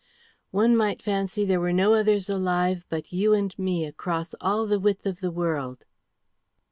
"One might fancy there were no others alive but you and me across all the width of the world."